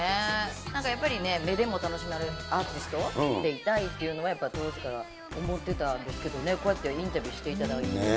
なんかやっぱりね、目でも楽しませるアーティストでいたいっていうのは当時から思ってたんですけどね、こうやってインタビューしていただいて。